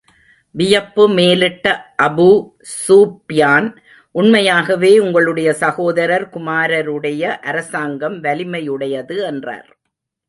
வியப்பு மேலிட்ட Abu Sufyan, உண்மையாகவே, உங்களுடைய சகோதரர் குமாரருடைய அரசாங்கம் வலிமையுடையது என்றார்.